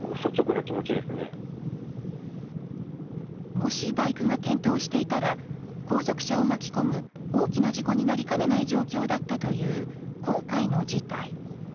もしバイクが転倒していたら後続車を巻き込む大きな事故になりかねない状況だったという今回の事態。